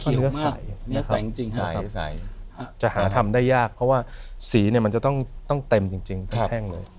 คือเห็นมันได้ยากเพราะว่าสีมันจะต้องเต็มจริงแป้งเลย